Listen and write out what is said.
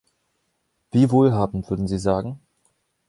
Wie wohlhabend würden Sie sagen?